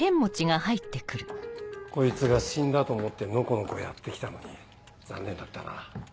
こいつが死んだと思ってノコノコやって来たのに残念だったな。